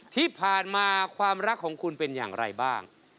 ที่ผ่านมาความรักของคุณเป็นอย่างไรบ้าง